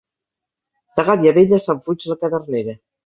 De gàbia vella, se'n fuig la cadernera.